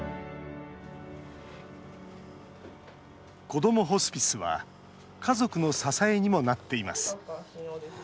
こどもホスピスは家族の支えにもなっています。